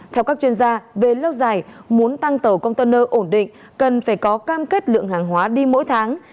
theo các chuyên gia về lâu dài muốn tăng tàu container ổn định cần phải có cam kết lượng hàng hóa đi mỗi tháng